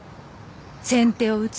先手を打つ。